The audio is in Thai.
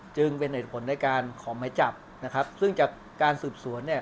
จึงเป็นเหตุผลในการขอหมายจับนะครับซึ่งจากการสืบสวนเนี่ย